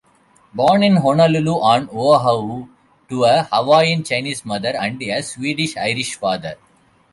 Born in Honolulu on Oahu to a Hawaiian-Chinese mother and a Swedish-Irish father.